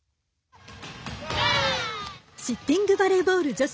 シッティングバレーボール女子。